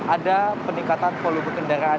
ada peningkatan volume kendaraan